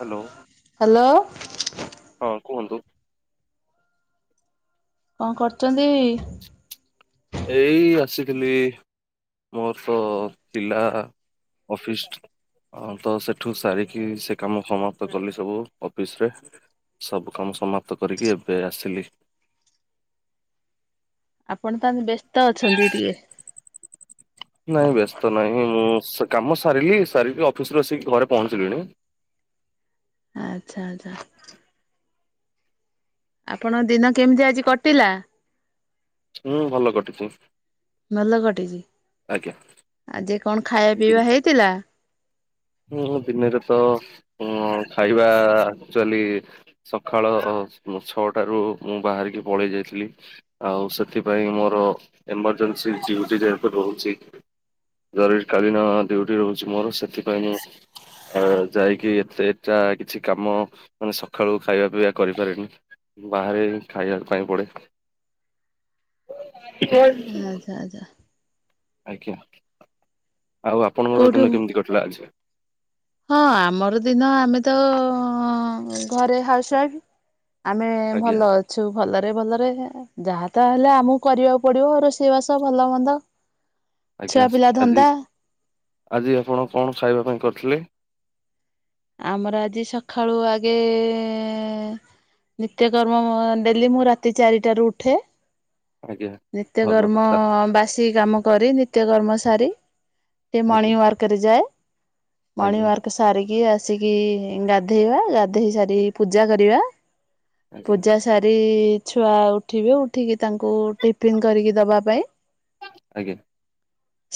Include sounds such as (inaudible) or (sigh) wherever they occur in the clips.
Hello hello (inaudible) ହଁ କୁହନ୍ତୁ। କଣ କରୁଛନ୍ତି? ଥିଲି ମୋର ତ ଥିଲା ଅଫିସ। ହଁ ତ ସେଠୁ ସାରିକି ସେ କାମ ସମାପ୍ତ କଲି ସବୁ ଅଫିସ ରେ ସବୁ କାମ ସମାପ୍ତ କରିକି ଏବେ ଆସିଲି। (inaudible) ଆପଣ ତାହେଲେ ବ୍ୟସ୍ତ ଅଛନ୍ତି ଟିକେ? ନାଇଁ ବ୍ୟସ୍ତ ନାହିଁ ମୁଁ ସ କାମ ସାରିଲି ସାରିକି ଅଫିସରୁୁ ଆସିକି ଘରେ ପହଞ୍ଚିଲିଣି। (inaudible) ଆଚ୍ଛା ଆଚ୍ଛା। ଆପଣ ଦିନ କେମିତି ଆଜି କଟିଲା? ହୁଁ ଭଲ କଟିଛି। ଭଲ କଟିଛି ଆଜ୍ଞା (inaudible) ଆଜି କଣ ଖାଇବା ଦିନ ପିଇବା ହେଇଥିଲା? ହୁଁ ଦିନରେ ତ ଉଁ ମ୍ ଖାଇବା ଆକ୍ଚୁଆଲି ସକାଳ ଛଟାରୁ ମୁଁ ବାହାରି ଯାଇକି ପଳେଇଥିଲି ଆଉ ସେଥିପାଇଁ ମୋର ଏ ମାନେ ସେ ରହୁଛି ଜରୁରୀ କାଳୀନ ଡ୍ୟୁଟି ରହୁଛି ମୋର ସେଥିକି ମାନେ ସେ ଆ ଯାଇକି ଏତେ ଏଟା କିଛି କାମ ମାନେ ସକାଳୁ ଖାଇବା ପିଇବା କରିକିଆଣିଲି। ବାହାରେ ଖାଇବା ପାଇଁ ପଡେ଼। ଆଚ୍ଛା ଆଚ୍ଛା। ଆଜ୍ଞା ଆଉ ଆପଣଙ୍କର କୋଉଠୁ ଦିନ କେମିତି କଟିଲା ଆଜି? ହଁ ଆମର ଦିନ ଆମେ ତ ଘରେ ଅ ହାଉସ ୱାଇଫ। ଆମେ ଆଜ୍ଞା ଭଲ ଅଛୁ, ଭଲ ରେ ଭଲରେ ଯାହା ତାହାହଲେ ଆମକୁ କରିବାକୁ ପଡିବ ରୋଷେଇବାସ ଭଲ ମନ୍ଦ। ଛୁଆ ଆଜ୍ଞା ପିଲା ଆଜି ଧନ୍ଦା ଆଜି ଆପଣ କଣ ଖାଇବା ପାଇଁ କରିଥିଲେ? ଆମର ଆଜି ସକାଳୁ ଆଗେ ଏ ନିତ୍ୟକର୍ମ ଡେଲି ମୁଁ ରାତି ଚାରିଟାରୁ ଉଠେ। ଆଜ୍ଞା। ଭଲ ନିତ୍ୟକର୍ମ କଥା ବାସି କାମ କରି ନିତ୍ୟକର୍ମ ସାରି। ସେ ଆଜ୍ଞା ମଣିିଂୱାର୍କରେ ଯାଏ ଆଜ୍ଞା ମଣିିଂୱାର୍କ ସାରିକି ଆସ ଆସିକି ଗାଧେଇବା ଗାଧେଇ ସାରି ପୂଜା କରିବା। ଆଜ୍ଞା ପୂଜା ସାରି ଛୁଆ ଉଠିବେ ଉ ଠିକି ତାଙ୍କୁ ଟିଫିନ୍ କରିକି ଦବା ପାଇଁ। ଆଜ୍ଞା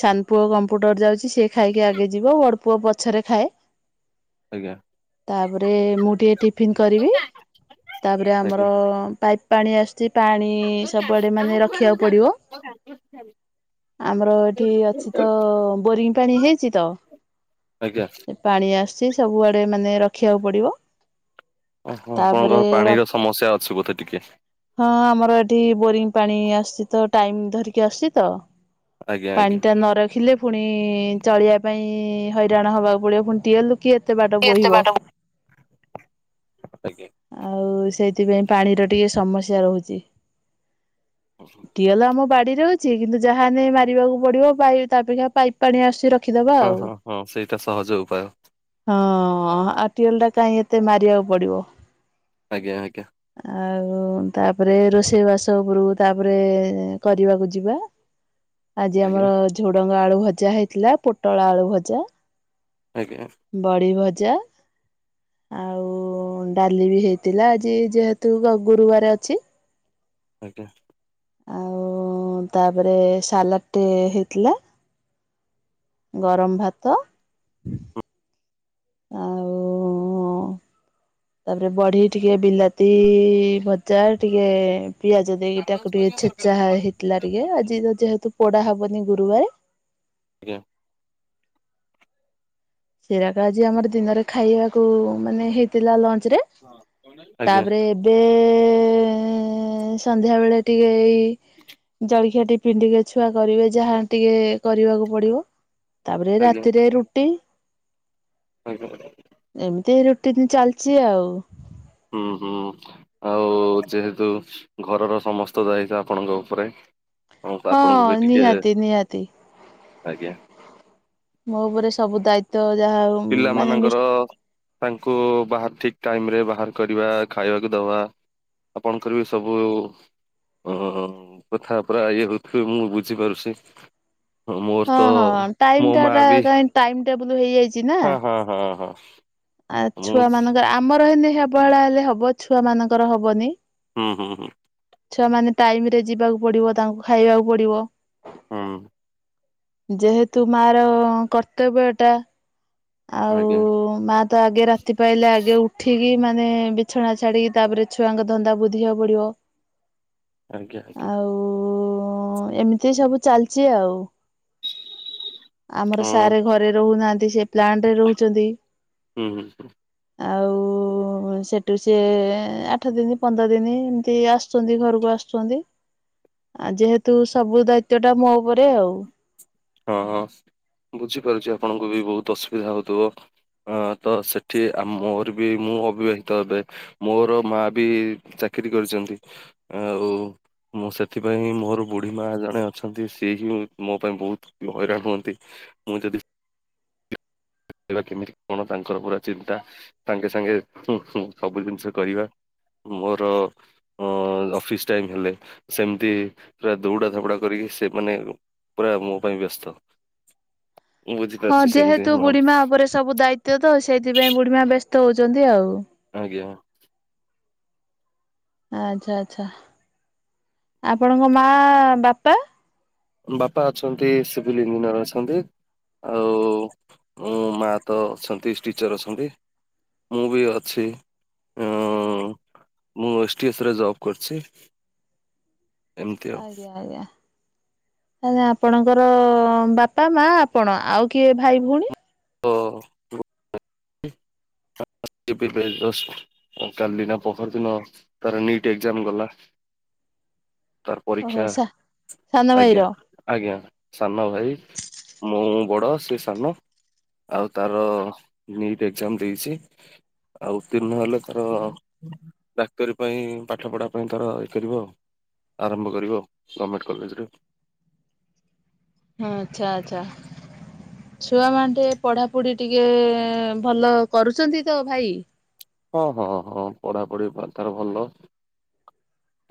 ସାନ ପୁଅ କମ୍ପୁଟର ଯାଉଛି ସେ ଖାଇକି ଆଗେ ଯିବ ବଡ ପୁଅ ପଛରେ ଖାଏ। ଆଜ୍ଞା। ତାପରେ ମୁଁ ଟିକେ ଟିଫିନ କରିବି। ତାପରେ ଆଜ୍ଞା ଆମର ପାଇପ ପାଣି ଆସୁଛି ପାଣି ସବୁଆଡେ ମାନେ ରଖିବାକୁ ପଡିବ। ଆମର ଏଠି ଅଛି ତ ବୋରିଂ ପାଣି ହେଇଛି ତ। ଆଜ୍ଞା। ପାଣି ଆସୁଛି ସବୁଆଡେ ମାନେ ରଖିବାକୁ ପଡିବ। ଓ ହୋ ତାପରେ ଆପଣଙ୍କର ପାଣିର ସମସ୍ୟା ଅଛି ବୋଧେ ଟିକେ? ହଁ ଆମର ଏଠି ବୋରିଂ ପାଣି ଆସ ଶ ତ ଟାଇମ ଧରିକି ଆସଛି ତ ଆଜ୍ଞା ଆଜ୍ଞା। ପାଣି ଟା ନ ରଖିଲେ ପୁଣି ଚଳିବା ପାଇଁ ହଇରାଣ ହବାକୁ ପଡିବ ପୁଣି ଟିଏ ହେ ଲୁ କି ଏତେ ବାଟ ବୋହିବ। ଆଜ୍ଞା ଆଉ ସେଇଥିପାଇଁ ପାଣିର ଟିକେ ସମସ୍ୟା ରହୁଛି। ଟିଅଲ ଆମ ବାଡି କିନ୍ତୁ ଯାହାନେ ମାରିବାକୁ ପଡିବ ତାପେକ୍ଷା ପାଇପ୍ ପାଣି ଆସ ର ହଁ ହଁ ହଁ ସେଇଟା ସହଜ ଉପାୟ। ହଁ ଆଟିଏଲ ଟା କାଇହିଁ ଏତେ ମାରିବାକୁ ପଡିବ। ଆଜ୍ଞା ଆଜ୍ଞା। ଆଉ ତାପରେ ରୋଷେଇ ବାସ ଉପରୁକୁ ତାପରେ କରିବାକୁ ଯିବା। ଆଜି ଆଜ୍ଞା ଆମର ଝୁଡଙ୍ଗ ଆଳୁ ଭଜା ହେଇଥିଲା ପୋଟଳ ଆଳୁ ଭଜା। ଆଜ୍ଞା ବଡ଼ି ଭଜା । ଆଉ ଡାଲି ବି ହେଇଥିଲା ଆଜି ଯେହେତୁ ଗୁରୁବାର ଅଛି । ଆଜ୍ଞା। ଆଉ ତାପରେ ସାଲାଡ ଟେ ହେଇଥିଲା । ଗରମ ଭାତ । ଆଉ ଉ ଉ ତାପରେ ବଢି ଟିକେ ବିଲାତି ଭଜା ଟିକେ ଏ ପିଆଜ ଦେଇକି ଆଡଭାନ୍ସ ତାକୁ ଟିକେ କରିବା ଦରକାର ଛେଚା ନହେଲେ ହେଇଥିଲା ଟିକେ, ଆଜ୍ଞା ଆଜି ଯେହେତୁ ପୋଡା ହବନି ଗୁରୁବାର । ଆଜ୍ଞା। ସେରକ ଆଜି ଆମର ଦିନରେ ଖାଇବାକୁ ମାନେ ହେଇଥିଲା ଲଞ୍ଚ ରେ ଆଜ୍ଞା ତାପରେ ଏବେ ଏ ଏ ଏ ଏ ସନ୍ଧ୍ୟା ବେଳେ ଟିକେ ଏଇ ଜଳଖିଆ ଟିକେ ଟିଫିନ୍ ଟିକେ ଛୁଆ କରିବେ ଯାହା ଟିକେ କରିବାକୁ ପଡିବ । ତାପରେ ଆଜ୍ଞା ରାତିରେ ରୁଟି । ଆଜ୍ଞା ଏମିତି ରୁଟିିନ ଚାଲିଛି ଆଉ । ହୁଁ ହୁଁ ଆଉ ଯେହେତୁ ଘରର ସମସ୍ତ ଦାୟିତ୍ଵ ଆପଣଙ୍କ ଉପରେ। ହଁ ହଁ ଆପଣଙ୍କୁ ବି ଟିକେ, ନିହାତି ନିହାତି ଆଜ୍ଞା ମୋ ଉପରେ ସବୁ ଦାୟିତ୍ଵ । ପିଲାମାନଙ୍କର ତାଙ୍କୁ ବାହ ଠିକ ଟାଇମରେ ବାହାର କରିବା ଖାଇବାକୁ ଦେବା ଆପଣଙ୍କର ବି ସବୁ ଅ କଥା ପୁରା ଇଏ ହଉଥିବେ ମୁଁ ବୁଝିପାରୁଛି । ହଁ ହଁ ଟାଇମ ଟାଟା ବି କ ଟାଇ ଟବଲ ହେଇଯାଇଛି । ହଁ ହଁ ହଁ ହଁ। ଆ ମୁଁ ଛୁଆ ମାନଙ୍କର ଆମର ହେନ ଅବହେଳା ହେଲେ ହବ ଛୁଆ ମାନଙ୍କର ହବନି। ହୁଁ ହୁଁ ହୁଁ। ଛୁଆ ମାନେ ଟାଇମ ରେ ଯିବାକୁ ପଡିବ ତାଙ୍କୁ ଖାଇବାକୁ ପଡିବ । ହୁଁ। ଯେହେତୁ ମାର କର୍ତ୍ତବ୍ୟ ଟା ଆଉ ଆଜ୍ଞା ମା ତ ଆଗେ ରାତି ପାଇଲେ ଆଗେ ଉଠିକି ମାନେ ବିଛଣା ଛାଡିକି ତାପରେ ଛୁଆଙ୍କ ଧନ୍ଦା ବୁଦ୍ଧିିବାକୁ ପଡିବ । ଆଜ୍ଞା ଆଜ୍ଞା। ହଁ ଏମିତି ସବୁ ଚାଲିଚି ଆଉ । ଆମର ହଁ ସାରେ ଘରେ ରହୁନାହାନ୍ତି ସେ ପ୍ଲାଟରେ ରହୁଛନ୍ତି । ହୁଁ ହୁଁ ହୁଁ। ଆଉ ସେଠୁ ସି ଆଠ ଦିନ ପନ୍ଦର ଦିନ ଏମିତି ଆସୁଛନ୍ତି ଘରକୁ ଆସୁଛନ୍ତି । ଆ ଯେହେତୁ ସବୁ ଦାୟିତ ଟା ମୋ ଉପରେ ଆଉ । ହଁ ହଁ ବୁଝିପାରୁଛି ଆପଣଙ୍କୁ ବି ବହୁତ ଅସୁବିଧା ହଉଥିବ । ହଁ ତ ସେଠି ମୋର ବି ମୁଁ ଅବିବାହିତ ହେବେ ମୋର ମା ବି ଚା କିରି କରିଛନ୍ତି ଆଉ । ମୁଁ ସେଥିପାଇଁ ମୋର ବୁଢ଼ୀ ମା ଜଣେ ଅଛନ୍ତି ସି ହିଁ ମୋ ପାଇଁ ବହୁତ ହଇରାଣ ହୁଅନ୍ତି ମୁଁ ଯଦି କେମିତି କଣ ତାଙ୍କର ପୁରା ଚିନ୍ତା ସାଙ୍ଗେ ସାଙ୍ଗେ ସବୁ ଜିନିଷ କରିବା । ମୋର ଅଫିସ ଟାଇମ ହେଲେ ସେମତି ପୁରା ଦୌଡା ଧପଡା କରିକି ସେ ମାନେ ପୁରା ମୋ ପାଇଁ ବ୍ୟସ୍ତ । (inaudible) ମୁଁ ହଁ ବୁଝିପାରୁଛି ସେମତିଁ ଯେହେତୁ ବୁଢୀମା ଉପରେ ସବୁ ଦାୟିତ୍ଵ ତ ସେଇଥିପାଇଁ ବୁଢୀମା ବ୍ୟସ୍ତ ହଉଛନ୍ତି ଆଉ । ଆଜ୍ଞା। ଆଚ୍ଛା ଆଛା ଆପଣଙ୍କ ମା ବାପା ବାପା ଅଛନ୍ତି ସିଭିଲ୍ ଇଞ୍ଜିନିୟର ଅଛନ୍ତି। ଆଉ ମୋ ମା ତ ଅଛନ୍ତି ଟିଚର ଅଛନ୍ତି। ମୁଭି ଅଛି ଉ ମୁଁ ଏସ୍ ଟି ଏସରେ ଜବ୍ କରିଛି। ଏମିତି ଆଉ ଆଜ୍ଞା ଆଜ୍ଞା। ଆ ଆପଣଙ୍କର ବାପା ମା ଆପଣ ଆଉ କିଏ ଭାଇ ଭଉଣୀ ହଁ। ହ (unintelligible) କାଲିନା ପଖର ଦିନ ତାର ନିଟ୍ ଏଜାମ ଗଲା। ତାର ପରୀକ୍ଷା ଓହୋ ସା ସାନ ଆଜ୍ଞା ଭାଇର। ଆଜ୍ଞା ସାନ ଭାଇ ମୁଁ ବଡ଼ ସେ ସାନ ଆଉ ତାର ନିଟ୍ ଏକ୍ଜାମ ଦେଇଛି। ଆଉ ଉତୀର୍ଣ୍ଣ ହେଲେ ତାର ଡାକ୍ତରୀ ପାଇଁ ପାଠ ପଢା ପାଇଁ ତର ଇଏ କରିବ ଆଉ। ଆରମ୍ଭ କରିବ ଗଭର୍ଣ୍ଣମେଣ୍ଟ କଲେଜରେ। ହଁ ଆଛା ଆଚ୍ଛା। ଛୁଆ ମା ଟିକେ ପଢାପଢି ଟିକେ ଭଲ କରୁଛନ୍ତି ତ ଭାଇ। ହଁ ହଁ ହଁ ପଢାପଢି ତାର ଭଲ।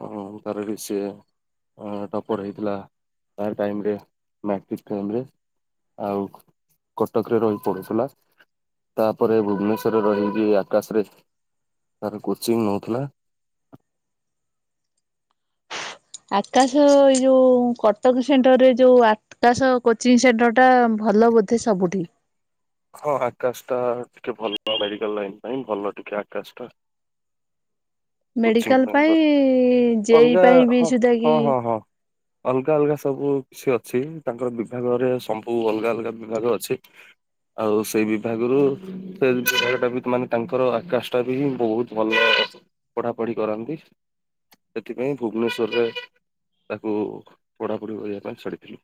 ଓ ତାହ ସେ ଟପର ହେଇଥିଲା ତା ଟାଇମରେ, ମାଟ୍ରିକ ଟାଇମରେ। ଆଉ କଟକରେ ରହି ପଢ଼ୁଥିଲା। ତାପରେ ଭୁବନେଶ୍ୱର ରେ ରହିି ଆକାଶରେ ତାର କୋଚିଂ ନଉଥିଲା। (inaudible) ଆକାଶ ଏଇ ଯୋଉ କଟକ ସେଣ୍ଟର ରେ ଯୋଉ ଆକାଶ କୋଚିଂ ସେଣ୍ଟର ଟା ଭଲ ବୋଧେ ସବୁଠି? ହଁ ଆକାଶ ଟା ଟିକେ ଭଲ ମେଡିକାଲ ଲାଇନ ପାଇଁ ଭଲ ଟିକେ ଆକାଶ ଟା। (inaudible) କୋଚିଂ ମେଡିକାଲ ପାଇଁ ବେଙ୍ଗଲ ଜେଇ ଅଲଗା ପାଇଁ ବି ହଁ ସୁଧା ହଁ କି ହଁ ହଁ। ଅଲଗା ଅଲଗା ସବୁ କିଛି ଅଛି ।ତାଙ୍କର ବିଭାଗରେ ସବୁ ଅଲଗା ଅଲଗା ବିଭାଗ ଅଛି। ଆଉ ସେଇ ବିଭାଗରୁ ସେ ବିଭାଗଟା ବି ମାନେ ତାଙ୍କର ଆକାଶ ଟା ବି ବହୁତ ଭଲ। ପଢାପଢି କରନ୍ତି। ସେଥିପାଇଁ ଭୁବନେଶ୍ୱରରେ ତାକୁ ପଢ଼ାପଢ଼ି କରିବା ପାଇଁ ଛାଡ଼ିଥିଲୁ।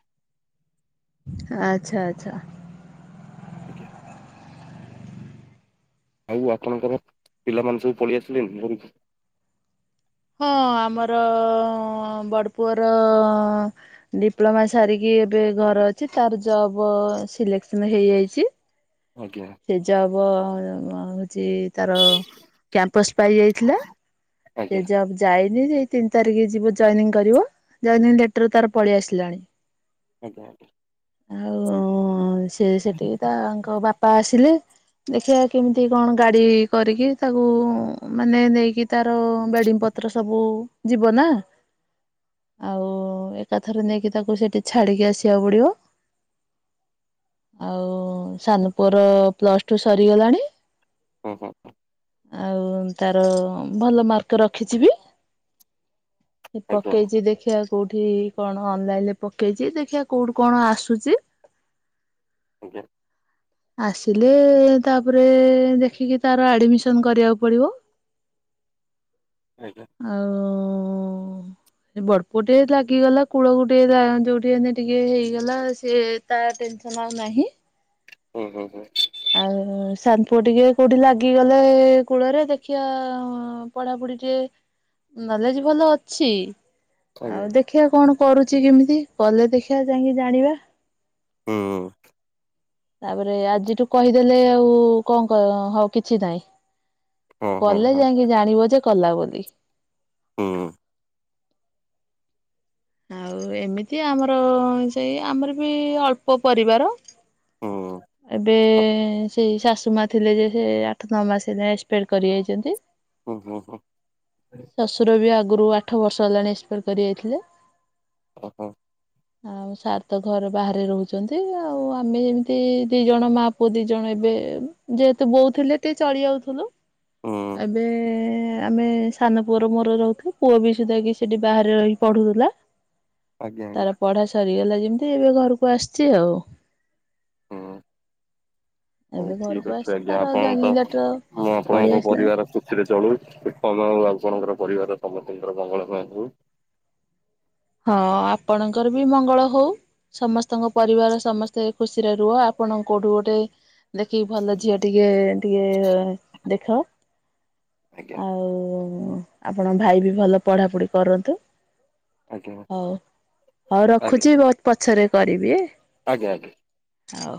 ଆଚ୍ଛା ଆଚ୍ଛା। ଆଜ୍ଞା। ଆଉ ଆପଣଙ୍କର ପିଲାମାନେ ସବୁ ପଳେଇ ଆସିଲେନି ଘରକୁ? ହଁ ଆମର ବଡପୁଅର ଡିପ୍ଲୋମା ସାରିକି ଏବେ ଘର ଅଛି ତାର ଜବ ସିଲେକ୍ସନ ହେଇଯାଇଛି। ଆଜ୍ଞା ସେ ଜବ୍ ଯେ ତାର କ୍ୟାମ୍ପସ ପାଇ ଯାଇଥିଲା। ସେ ଆଜ୍ଞା ଜବ ଯାଇନି ଯେ ତିନି ତାରିଖ ଯିବ ଜଏନିଂ କରିବ। ଜଏନିଂ ଲେଟର ତାର ପଳେଇ ଆସିଲାଣି। ଆଜ୍ଞା ଆଜ୍ଞା। ଆଉ ସେ ସେଠିକି ତାଙ୍କ ବାପା ଆସିଲେ ଦେଖିବା କେମିତି କଣ ଗାଡି କରିକି ତାକୁ ମାନେ ନେଇକି ତାର ବେଡିଂ ପ ପତ୍ର ସବୁ ଯିବ ନା! ଆଉ ଏକାଥରେ ନେଇକି ତାକୁ ସେଠି ଛାଡିକି ଆସିବାକୁ ପଡିବ। ଆଉ ସାନପୁଅ ର ପ୍ଲସ ଟୁ ସରିଗଲାଣି। ଉଁ ହୁଁ। ଆଉ ତାର ଭଲ ମାର୍କ ରଖିଛି ବି। ସେ ଆଜ୍ଞା ପକେଇଛି ଦେଖିବାକୁ କୋଉଠି କଣ ଅନଲାଇନ ରେ ପକେଇଛି ଦେଖିବା କୋଉଠି କଣ ଆସୁଚି। ଆଜ୍ଞା। ଆସିଲେ ତାପରେ ଦେଖିକି ତାର ଆଡମିସନ କରିବାକୁ ପଡିବ। ଆଜ୍ଞା ଆଉ ବଡପୁଅ ଟେ ଲାଗିଗଲା କୂଳକୁ ଟିକେ ଯୋଉଠି ଏନ୍ତି ଟିକେ ହେଇଗଲା ସେ ତା ଟେନ୍ସନ୍ ଆଉ ନାହିଁ। ହୁଁ ହୁଁ ହୁଁ। ଆଉ ସାନ ପୁଅ ଟିକେ କୋଉଠି ଲାଗିଗଲେ କୂଳରେ ଦେଖିବା ପଢାପ ପୁଢ଼ି ଟିକେ ନଲେଜ ଭଲ ଅଛି ଆଜ୍ଞା ଆଉ ଦେଖିବା କଣ କରୁଛି କେମିତି କଲେ ଦେଖିବା ଯାଇକି ଜାଣିବା। ହୁଁ। ତାପରେ ଆଜିଠୁ କହିଦେଲେ ଆଉ କଣ ହଉ କିଛି ନାହିଁ। ହଁ ହଁ କଲେ ହଁ। ଯାଇକି ଜାଣିବ ଯେ କଲା ବୋଲି। ହୁଁ। ଆଉ ଏମିତି ଆମର ସେଇ ଆମର ବି ଅଳ୍ପ ପରିବାର। ହୁଁ ଏବେ ସେଇ ଶାଶୁ ମା ଥିଲେ ଯେ ସେ ଆଠ ନଅ ମାସ ଏକ୍ସପାଡ କରିଯାଇଛନ୍ତି। ହୁଁ ହୁଁ ହୁଁ ଶଶୁର ବି ଆ ଆଗୁରୁ ଆଠ ବର୍ଷ ହେଲାଣି ଏକ୍ସପାର କରି ଯାଇଥିଲେ। ଓ ହୋ। ଆଉ ସାର୍ ତ ଘରେ ବାହାରେ ରହୁଛନ୍ତି ଆଉ ଆମେ ଯେମତି ଦି ଜଣ ମା ପୁଅ ଦି ଜଣ ଏବେ ଯେହେତୁ ବୋଉଥିଲେ ଟିକେ ଚଳି ଯାଉଥିଲୁ। ହୁଁ ଏବେ ଆମେ ସାନ ପୁଅର ମୋର ରହୁଥିଲୁ, ପୁଅ ବି ସେ ଯାଇକି ସେଠି ବାହାରେ ରହିି ପଢୁଥିଲା। ଆଜ୍ଞା ଆଜ୍ଞା ତାର ପଢା ସରିଗଲା ଯେମତି ଏବେ ଘରକୁ ଆସଚି ଆଉ। ହୁଁ। ହଉ ଏବେ ଘରକୁ ଠିକ ଅଛି ଆସିଛି ଆଜ୍ଞା ତାର ଯାଇକି ଆପଣଙ୍କ ତ ଲେଟର ପୁରା ପଳେଇ ଆପଣଙ୍କ ଆସିଲାଣି ପରିବାର ଖୁସିରେ ଚଳୁ (unintelligible) ଆପଣଙ୍କର ପରିବାର ସମସ୍ତିଙ୍କର ମଙ୍ଗଳ ମୟ ହେଉ। ହଁ ଆପଣଙ୍କର ବି ମଙ୍ଗଳ ହଉ। ସମସ୍ତଙ୍କ ପରିବାର ସମସ୍ତେ ଖୁସିରେ ରୁହ, ଆପଣଙ୍କ କୋଉଠୁ ଗୋଟେ ଦେଖିକି ଭଲ ଝିଅ ଟିକେ ଟିକେ ଦେଖ। ଆଜ୍ଞା। ହ ଆପଣଙ୍କ ଭାଇ ବି ଭଲ ପଢାପଢି କରନ୍ତୁ। ଆଜ୍ଞା ହଉ ହଉ ଆଜ୍ଞା ରଖୁଛି ପ ପଛରେ କରିବି। ଆଜ୍ଞା ଆଜ୍ଞା। ଆଉ।